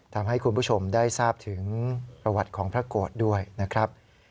ทำให้คุณผู้ชมได้ทราบถึงประวัติของพระโกรธด้วยนะครับ